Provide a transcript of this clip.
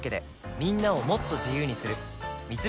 みんなをもっと自由にする「三菱冷蔵庫」